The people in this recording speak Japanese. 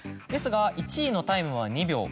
ですが１位のタイムは２秒。